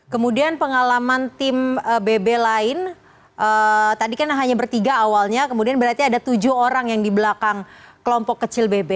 kemudian pengalaman tim bb lain tadi kan hanya bertiga awalnya kemudian berarti ada tujuh orang yang di belakang kelompok kecil bb